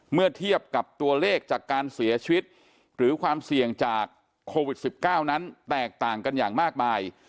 เมื่อเทียบกับตัวเลขจากการเสียชีวิตหรือความเสี่ยงจากโควิด๑๙นั้นแตกต่างกันอย่างมากมาย